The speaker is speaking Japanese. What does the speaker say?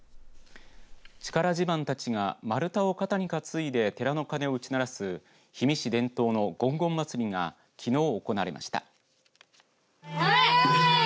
力自慢たちが丸太を肩に担いで寺の鐘を打ち鳴らす氷見市伝統のごんごん祭りがきのう行われました。